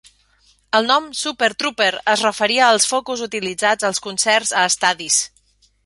El nom "Super Trouper" es referia als focus utilitzats als concerts a estadis.